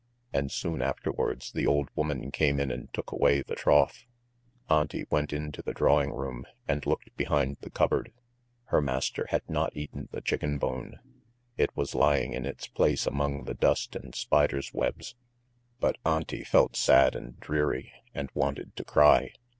And soon afterwards the old woman came in and took away the trough. Auntie went into the drawing room and looked behind the cupboard: her master had not eaten the chicken bone, it was lying in its place among the dust and spiders' webs. But Auntie felt sad and dreary and wanted to cry.